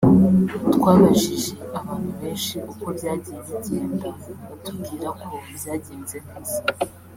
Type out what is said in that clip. twabajije abantu benshi uko byagiye bigenda batubwira ko byagenze neza